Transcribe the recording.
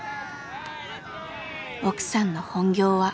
奥さんの本業は。